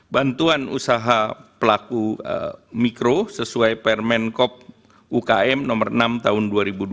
bantuan usaha pelaku mikro sesuai permen kop ukm nomor enam tahun dua ribu dua puluh